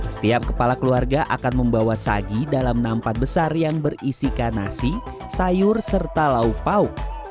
setiap kepala keluarga akan membawa sagi dalam nampat besar yang berisikan nasi sayur serta lauk pauk